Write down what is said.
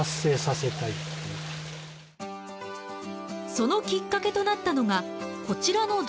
そのきっかけとなったのがこちらの動画。